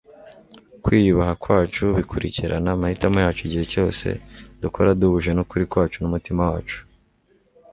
kwiyubaha kwacu bikurikirana amahitamo yacu igihe cyose dukora duhuje n'ukuri kwacu n'umutima wacu